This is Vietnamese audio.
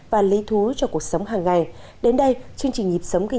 và lý thú của các bạn